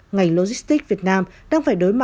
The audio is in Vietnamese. ngành logistic việt nam đang phải đối mặt